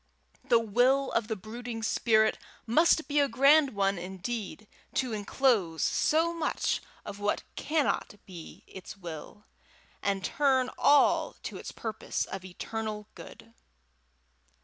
The will of the brooding spirit must be a grand one, indeed, to enclose so much of what cannot be its will, and turn all to its purpose of eternal good!